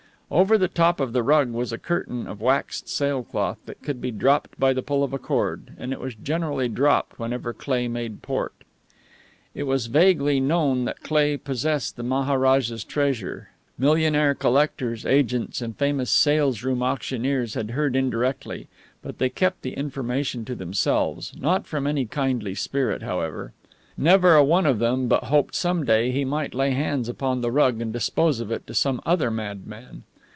Over the top of the rug was a curtain of waxed sailcloth that could be dropped by the pull of a cord, and it was generally dropped whenever Cleigh made port. It was vaguely known that Cleigh possessed the maharaja's treasure. Millionaire collectors, agents, and famous salesroom auctioneers had heard indirectly; but they kept the information to themselves not from any kindly spirit, however. Never a one of them but hoped some day he might lay hands upon the rug and dispose of it to some other madman.